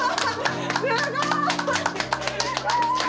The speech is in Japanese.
すごい！